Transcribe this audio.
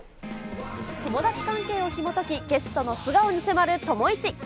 友達関係をひもとき、ゲストの素顔に迫る友イチ。